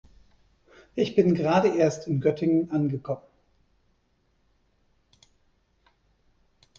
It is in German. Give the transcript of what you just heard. Ich bin gerade erst in Göttingen angekommen